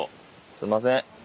すいません。